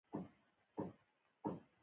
کشمش د انګورو څخه جوړیږي